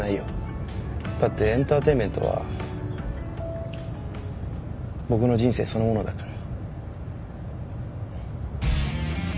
だってエンターテインメントは僕の人生そのものだから。